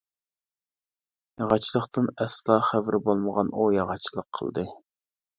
ياغاچچىلىقتىن ئەسلا خەۋىرى بولمىغان ئۇ ياغاچچىلىق قىلدى.